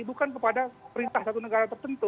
bukan kepada perintah satu negara tertentu